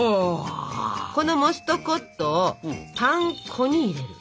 このモストコットをパン粉に入れる。